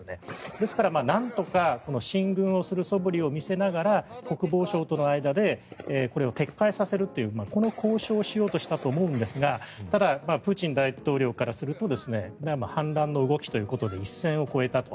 ですから、なんとか進軍をするそぶりを見せながら国防省との間でこれを撤回させるというこの交渉をしようとしたと思うんですがただ、プーチン大統領からすると反乱の動きということで一線を越えたと。